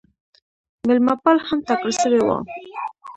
مېلمه پال هم ټاکل سوی وو.